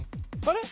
あれ？